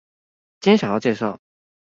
今天想要介紹